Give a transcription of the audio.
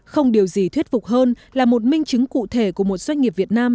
không điều gì thuyết phục hơn là một minh chứng cụ thể của một doanh nghiệp việt nam